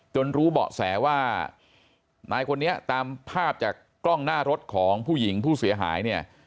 รู้เบาะแสว่านายคนนี้ตามภาพจากกล้องหน้ารถของผู้หญิงผู้เสียหายเนี่ย